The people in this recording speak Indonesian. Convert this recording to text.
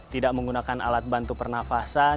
tidak menggunakan alat bantu pernafasan